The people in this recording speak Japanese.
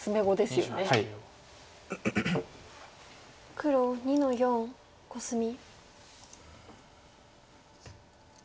黒２の四コスミ。